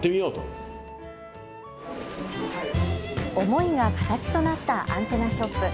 思いが形となったアンテナショップ。